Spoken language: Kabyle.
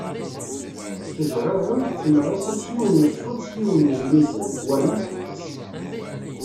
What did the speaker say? Tettejɛuɛuy tettemɛuqu s yiwen n ssut s yiwen n lmizan, war ma teḥbes.